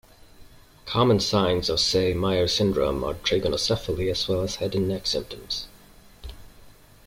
Common signs of Say-Meyer syndrome are trigonocephaly as well as head and neck symptoms.